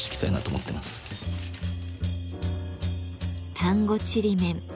丹後ちりめん。